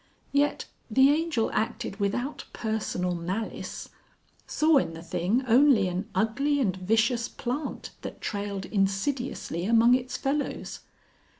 Yet the Angel acted without personal malice saw in the thing only an ugly and vicious plant that trailed insidiously among its fellows.